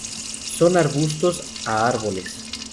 Son arbustos a árboles.